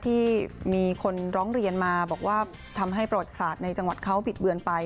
ที่มีคนร้องเรียนมาบอกว่าทำให้ประวัติศาสตร์ในจังหวัดเขาบิดเบือนไป